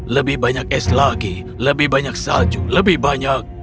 lebih banyak es lagi lebih banyak salju lebih banyak